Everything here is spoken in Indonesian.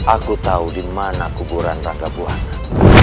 aku tahu di mana kuburan rangabuana